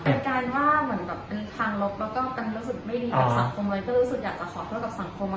และก็ว่ารู้สึกทางรกและรู้สึกไม่ดีกับสังคมอยากจะขอเพื่อสังคม